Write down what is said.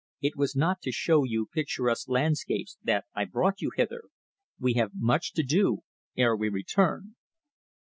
It was not to show you picturesque landscapes that I brought you hither. We have much to do ere we return."